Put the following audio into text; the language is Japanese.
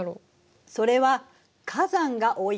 それは火山が多いから。